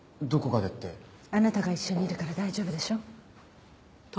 あなたが一緒にいるから大丈夫でしょ？